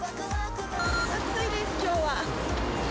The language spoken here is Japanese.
暑いです、きょうは。